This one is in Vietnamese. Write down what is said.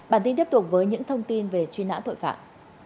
bản tin tiếp tục với những thông tin về truy nã tội phạm